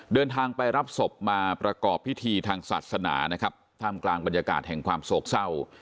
เดินทางไปรับศพมาประกอบพิธีทางศาสนานะครับท่ามกลางบรรยากาศแห่งความโศกเศร้า